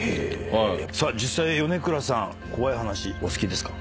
さあ実際米倉さん怖い話お好きですか？